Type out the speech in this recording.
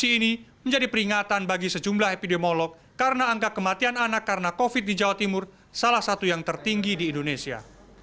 kondisi ini menjadi peringatan bagi sejumlah epidemiolog karena angka kematian anak karena covid di jawa timur salah satu yang tertinggi di indonesia